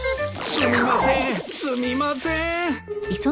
すみませんすみません。